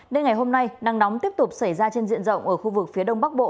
nên ngày hôm nay nắng nóng tiếp tục xảy ra trên diện rộng ở khu vực phía đông bắc bộ